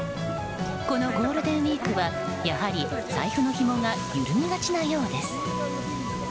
このゴールデンウィークはやはり財布のひもが緩みがちなようです。